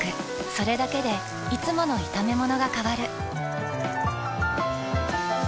それだけでいつもの炒めものが変わる。